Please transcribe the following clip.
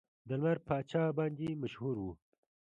د لمر پاچا باندې مشهور و.